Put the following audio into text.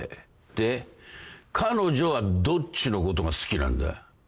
で彼女はどっちのことが好きなんだ？